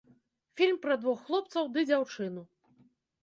Фільм пра двух хлопцаў ды дзяўчыну.